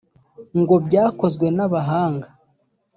ng byakozwe n abahanga